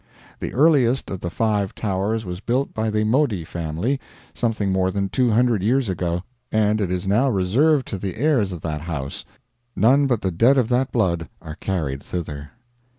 The earliest of the five towers was built by the Modi family something more than 200 years ago, and it is now reserved to the heirs of that house; none but the dead of that blood are carried thither.